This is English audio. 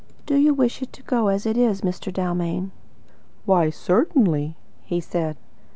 "Do you wish it to go as it is, Mr. Dalmain?" "Why certainly," he said.